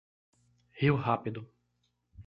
Rio rápido